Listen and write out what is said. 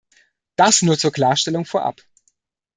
Das nur zur Klarstellung vorab.